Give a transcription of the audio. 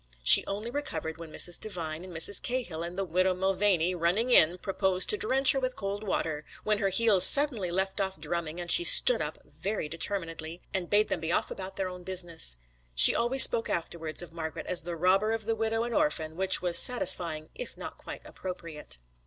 She only recovered when Mrs. Devine and Mrs. Cahill and the widow Mulvany, running in, proposed to drench her with cold water, when her heels suddenly left off drumming and she stood up, very determinedly, and bade them be off about their own business. She always spoke afterwards of Margret as the robber of the widow and orphan, which was satisfying if not quite appropriate.